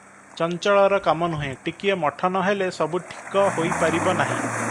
ଚଞ୍ଚଳର କାମ ନୁହେ- ଟିକିଏ ମଠ ନ ହେଲେ ସବୁ ଠିକ ହୋଇ ପାରିବ ନାହିଁ ।